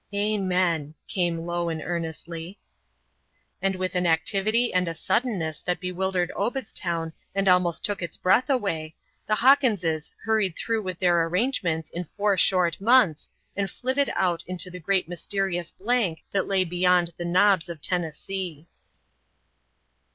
"Amen," came low and earnestly. And with an activity and a suddenness that bewildered Obedstown and almost took its breath away, the Hawkinses hurried through with their arrangements in four short months and flitted out into the great mysterious blank that lay beyond the Knobs of Tennessee.